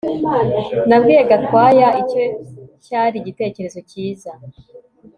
Nabwiye Gakwaya icyo cyari igitekerezo cyiza